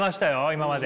今まで。